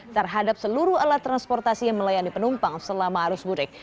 terhadap seluruh alat transportasi yang melayani penumpang selama arus budik